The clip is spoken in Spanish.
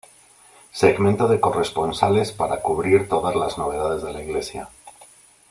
Segmento de corresponsales para cubrir todas las novedades de la Iglesia.